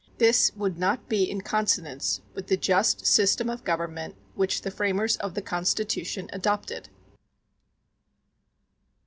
This would not be in consonance with the just system of government which the framers of the Constitution adopted.